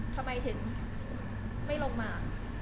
ทำไมถึงไม่ลงมา